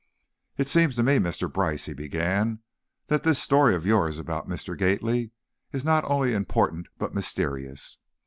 "It seems to me, Mr. Brice," he began, "that this story of yours about Mr. Gately is not only important but mysterious."